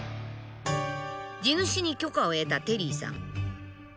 地主に許可を得たテリーさん。